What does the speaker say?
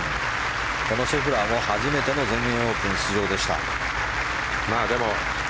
このシェフラーも初めての全英オープン出場でした。